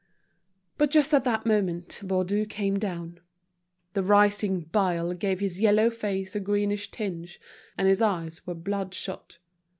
But just at that moment Baudu came down. The rising bile gave his yellow face a greenish tinge, and his eyes were bloodshot.